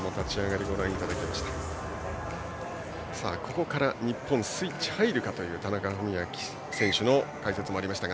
ここから日本スイッチが入るかという田中史朗選手の解説もありました。